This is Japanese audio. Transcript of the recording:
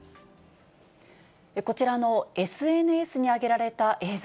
こちらのＳＮＳに上げられた映像。